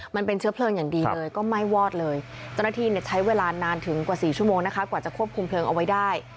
มันเป็นเชื้อเพลิงอย่างดีเลยก็ไหม้วอดเลยเจ้าหน้าที่ใช้เวลานานถึงกว่า๔ชั่วโมงนะคะกว่าจะควบคุมเพลิงเอาไว้ได้